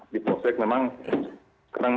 di polsek memang